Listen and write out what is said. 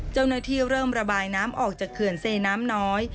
เจ้าหน้าที่เริ่มระบายน้ำออกจากเขื่อนเซน้ำน้อย